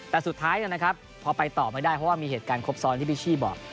แต่สุดท้ายนะครับพอไปต่อไม่ได้เพราะว่ามีเหตุการณ์ครบซ้อนที่พี่ชี่บอก